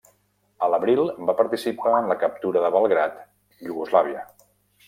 A l'abril va participar en la captura de Belgrad, Iugoslàvia.